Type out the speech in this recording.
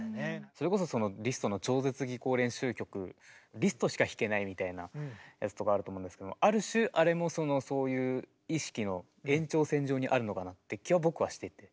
それこそリストの超絶技巧練習曲リストしか弾けないみたいなやつとかあると思うんですけどもある種あれもそのそういう意識の延長線上にあるのかなって気は僕はしていて。